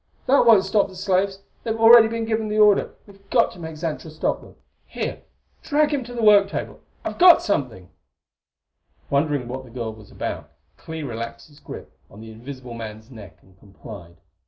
That won't stop the slaves: they've already been given the order! We've got to make Xantra stop them! Here drag him to the work table! I've got something " Wondering what the girl was about, Clee relaxed his grip on the invisible man's neck and complied.